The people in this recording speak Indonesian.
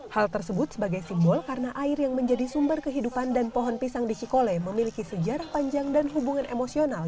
hal tersebut sebagai simbol karena air yang menjadi sumber kehidupan dan pohon pisang di cikole memiliki sejarah panjang dan hubungan emosional